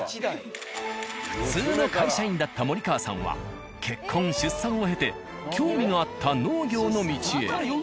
普通の会社員だった森川さんは結婚・出産を経て興味のあった農業の道へ。